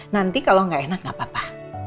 nanti kalau gak enak gak apa apa